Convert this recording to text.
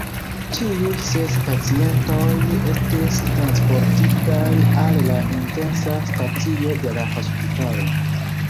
Ĉiu ses pacientoj estis transportitaj al la intensa stacio de la hospitalo.